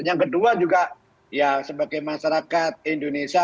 yang kedua juga ya sebagai masyarakat indonesia